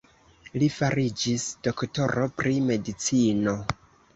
Li fariĝis doktoro pri medicino.